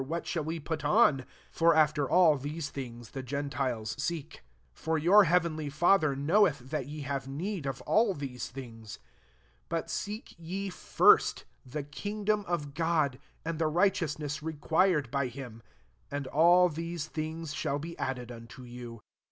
What shall we put on ?' 33 (for after all these things the g^itiles seek:) for your keavenly Father know eth that ye have need of all these things. 33 But seek ye first the kingdom of God, and the righteousness required by him ; and all these things shall be added unto you.